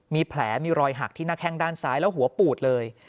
มีแผลมีรอยหักที่หน้าแข้งด้านซ้ายแล้วหัวปูดเลย